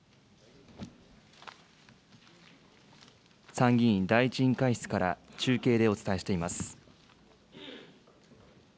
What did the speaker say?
参議院第１委員会室から中継でお伝えしています。